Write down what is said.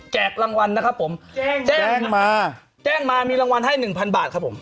รางวัลนะครับผมแจ้งแจ้งมาแจ้งมามีรางวัลให้หนึ่งพันบาทครับผม